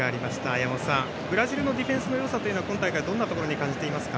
山本さん、ブラジルのディフェンスのよさは今大会、どんなところに感じてますか。